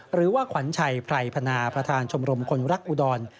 หรือว่าขวัญชัยไพรพนาประธานชมรมคนรักอุดร